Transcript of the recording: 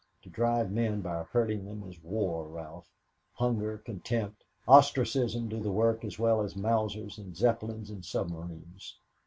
To drive men by hurting them is war, Ralph. Hunger, contempt, ostracism, do the work as well as Mausers and Zeppelins and submarines.